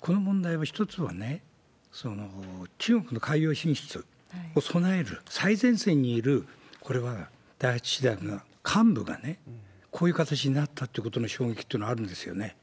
この問題は一つはね、中国の海洋進出に備える最前線にいる、これは第８師団が、幹部がね、こういう形になったということの衝撃というのはあるんですよね。